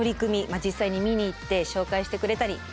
実際に見に行って紹介してくれたりしてきました。